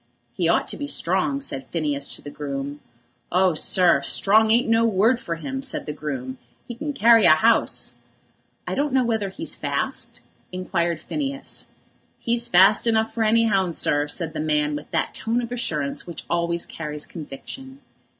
"He ought to be strong," said Phineas to the groom. "Oh, sir; strong ain't no word for him," said the groom; "'e can carry a 'ouse." "I don't know whether he's fast?" inquired Phineas. "He's fast enough for any 'ounds, sir," said the man with that tone of assurance which always carries conviction.